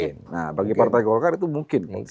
nah bagi partai golkar itu mungkin